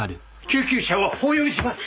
救急車をお呼びします！